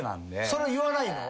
それは言わないの？